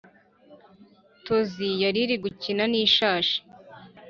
Tozi yariri gukina nishashi